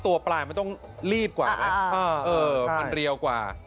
ตัวปลายมันต้องรีบกว่านะมันเรียวกว่า